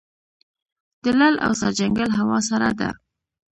د لعل او سرجنګل هوا سړه ده